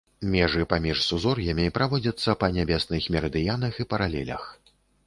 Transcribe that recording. Межы паміж сузор'ямі праводзяцца па нябесных мерыдыянах і паралелях.